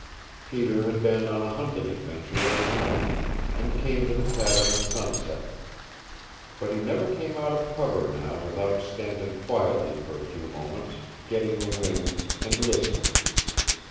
Peter had been on a hunting adventure of his own, and came to the cabin at sunset. But he never came out of cover now without standing quietly for a few moments, getting the wind, and listening.